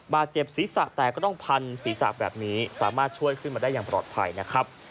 บาดเจ็บศีรษะแตกก็ต้องพันศีรษะแบบนี้สามารถช่วยขึ้นมาได้อย่างปลอดภัยนะครับ